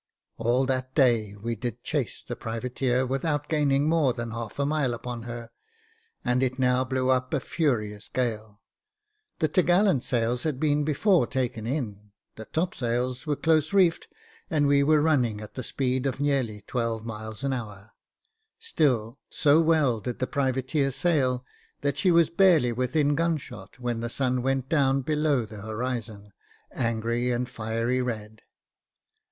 All that day did we chase the privateer, without gaining more than a mile upon her, and it now blew up a furious gale : the top gallant sails had been before taken in ; the topsails were close reefed, and we were running at the speed of nearly twelve miles an hour ; still so well did the privateer sail, that she was barely within gun shot when the sun went down below the horizon, angry and fiery red.